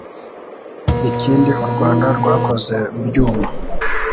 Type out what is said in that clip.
Ikindi u Rwanda rwakoze byuma